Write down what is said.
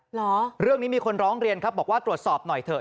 เหรอเรื่องนี้มีคนร้องเรียนครับบอกว่าตรวจสอบหน่อยเถอะ